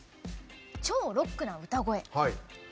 超ロックな歌声。